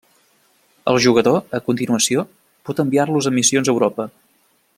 El jugador, a continuació, pot enviar-los a missions a Europa.